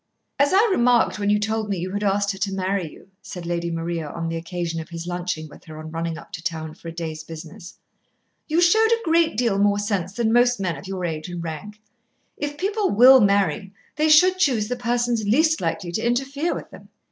"As I remarked when you told me you had asked her to marry you," said Lady Maria on the occasion of his lunching with her on running up to town for a day's business, "you showed a great deal more sense than most men of your age and rank. If people will marry, they should choose the persons least likely to interfere with them.